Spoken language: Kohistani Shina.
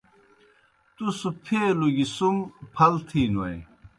تُس پھیلوْ گیْ سُم پھلتِھینوئے۔